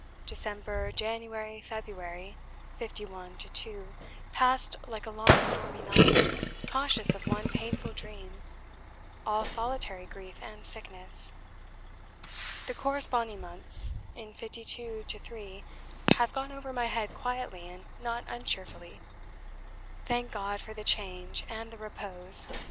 December, January, February, '51 2, passed like a long stormy night, conscious of one painful dream) all solitary grief and sickness. The corresponding l in '52 3 have gone over my head quietly and not uncheerfully. Thank God for the change and the repose!